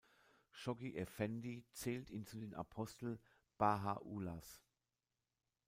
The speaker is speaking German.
Shoghi Effendi zählt ihn zu den Apostel Baha’u’llahs.